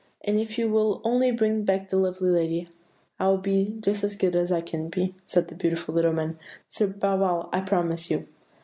"'And if you will only bring back that lovely lady I will be just as good as I can be,' said the beautiful little man; 'Sir Bow wow, I promise you.